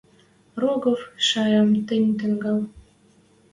Рогов, шаям тӹнь тӹнгӓл».